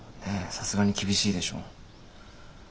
さすがに厳しいでしょ。